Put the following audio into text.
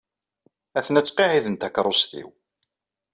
Atena ttqiɛɛiden takeṛṛust-iw.